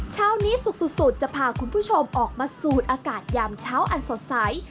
เช้านี้สุขสุดจะพาคุณผู้ชมออกมาสูดอากาศยามเช้าอันสดใส